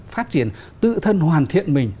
phát triển tự thân hoàn thiện mình